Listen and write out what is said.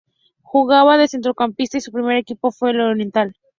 Jugaba de centrocampista y su primer equipo fue el Oriental.